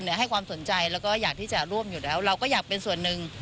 ให้ความสนใจแล้วก็อยากที่จะร่วมอยู่แล้วเราก็อยากเป็นส่วนหนึ่ง